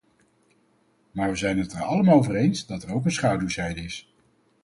Maar we zijn het er allemaal over eens dat er ook een schaduwzijde is.